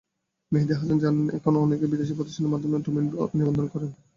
মেহেদী হাসান জানান, এখন অনেকেই বিদেশি প্রতিষ্ঠানের মাধ্যমে ডোমেইন নিবন্ধন করেন।